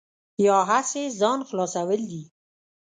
یا هسې ځان خلاصول دي.